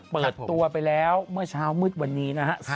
เปิดตัวไปแล้วเมื่อเช้ามืดวันนี้นะฮะ